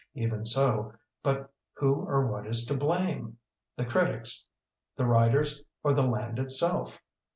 Even so, but who or what is to blame? The critics, the writers, or the land itself?